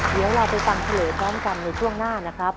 เดี๋ยวเราไปฟังเฉลยพร้อมกันในช่วงหน้านะครับ